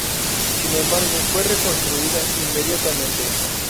Sin embargo fue reconstruida inmediatamente.